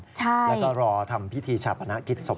แล้วก็รอทำพิธีชาปนกิจศพ